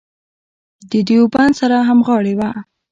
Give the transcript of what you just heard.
د دیوبند سره همغاړې وه.